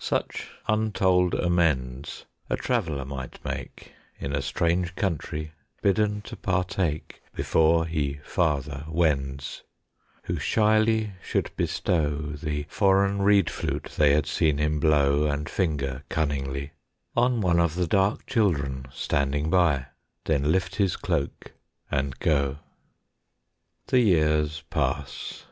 Such untold amends A traveller might make In a strange country, bidden to partake Before he farther wends; Who shyly should bestow The foreign reed flute they had seen him blow And finger cunningly, On one of the dark children standing by, Then lift his cloak and go. The years pass.